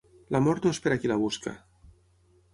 La mort no és per qui la busca.